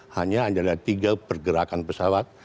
hanya adalah tiga pergerakan pesawat